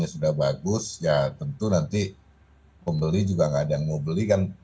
sudah bagus ya tentu nanti pembeli juga nggak ada yang mau beli kan